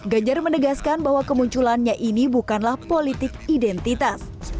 ganjar menegaskan bahwa kemunculannya ini bukanlah politik identitas